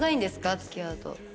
付き合うと。